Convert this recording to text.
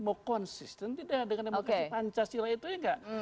mau konsisten tidak dengan demokrasi pancasila itu ya enggak